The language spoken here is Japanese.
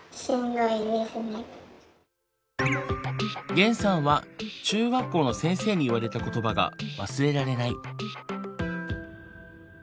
ゲンさんは中学校の先生に言われた言葉が忘れられない。